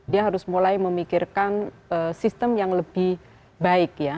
dia harus mulai memikirkan sistem yang lebih baik ya